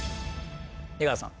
出川さん